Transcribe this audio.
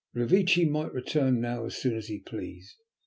Revecce might return now as soon as he pleased.